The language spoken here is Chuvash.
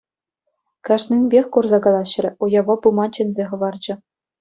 Кашнинпех курса калаҫрӗ, уява пыма чӗнсе хӑварчӗ.